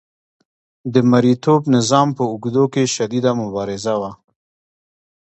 د مرئیتوب نظام په اوږدو کې شدیده مبارزه وه.